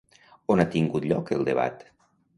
On ha tingut lloc el debat?